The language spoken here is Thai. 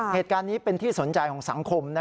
เหตุการณ์นี้เป็นที่สนใจของสังคม